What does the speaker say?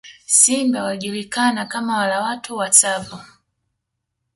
Simba waliojulikana kama wala watu wa Tsavo